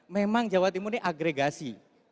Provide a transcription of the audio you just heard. memang jawa timur ini agregasi